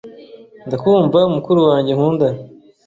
Ndakumva mukuru wanjye nkunda